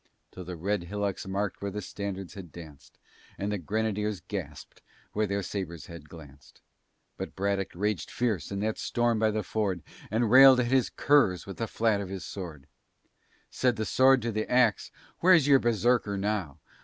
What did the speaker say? Till the red hillocks marked where the standards had danced, And the Grenadiers gasped where their sabres had glanced. But Braddock raged fierce in that storm by the ford, And railed at his "curs" with the flat of his sword! Said the Sword to the Ax, "Where's your Berserker now?